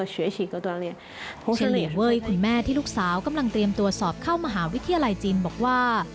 เพราะเฉลี่ยเว้ยคุณแม่ที่ลูกสาวกำลังเตรียมตรวจสอบเข้ามหาวิทยาลัยจีนบอกว่า